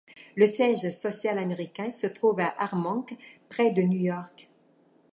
Le siège social américain se trouve à Armonk près de New York.